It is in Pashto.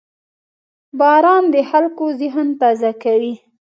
• باران د خلکو ذهن تازه کوي.